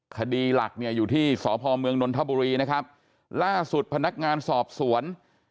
คดีหลักเนี่ยอยู่ที่สพเมืองนนทบุรีนะครับล่าสุดพนักงานสอบสวน